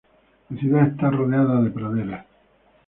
La ciudad está rodeada de praderas.